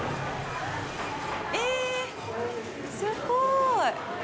えっ、すごい。